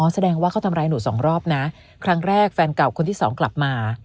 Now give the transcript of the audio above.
แสดงว่าเขาทำร้ายหนูสองรอบนะครั้งแรกแฟนเก่าคนที่สองกลับมา